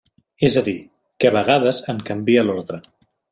És a dir, que a vegades en canvia l'ordre.